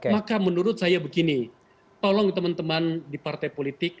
maka menurut saya begini tolong teman teman di partai politik